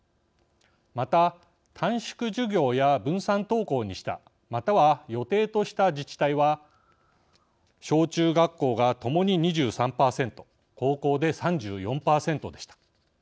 また短縮授業や分散登校にしたまたは予定とした自治体は小中学校がともに２３％高校で３４％でした。